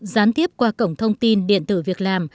gián tiếp qua cổng thông tin điện tử việc làm